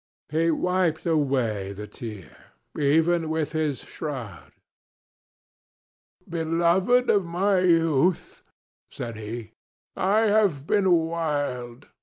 He wiped away the tear, even with his shroud. "Beloved of my youth," said he, "I have been wild.